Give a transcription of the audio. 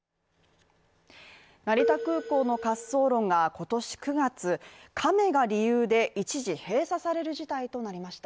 成田空港の滑走路が今年９月、亀が理由で一時閉鎖される事態となりました。